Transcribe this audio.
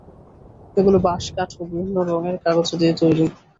এগুলো বাঁশ, কাঠ ও বিভিন্ন রঙের কাগজ দিয়ে তৈরি।